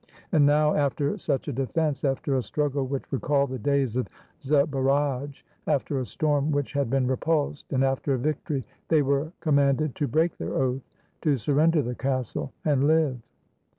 And now, after such a defense, after a struggle which recalled the days of Zbaraj, after a storm which had been repulsed, and after a victory, they were comman ded to break their oath, to surrender the castle, and live.